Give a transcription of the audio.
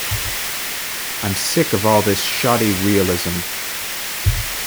I'm sick of all this shoddy realism.